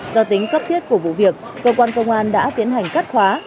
do tính cấp thiết của vụ việc công an công an đã tiến hành cắt khóa